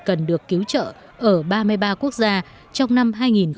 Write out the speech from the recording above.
cần được cứu trợ ở ba mươi ba quốc gia trong năm hai nghìn một mươi bảy